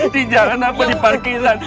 di jalan apa di parkiran